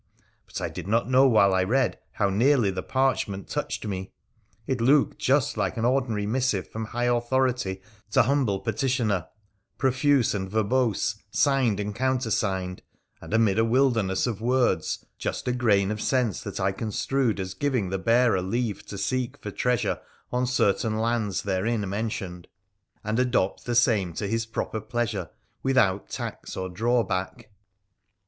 But I did not know while I read how nearly the parchment touched me. It looked just an ordinary missive from high authority to humble petitioner, profuse and verbose, signed and counter signed, and, amid a wilderness of words, just a grain of sense that I construed as giving the bearer leave to seek for treasure on certain lands therein mentioned, and PIIRA THE PHCENICIAN 327 adopt the same to Lis proper pleasure without tax or draw back.